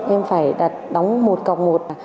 em phải đặt đóng một cọc một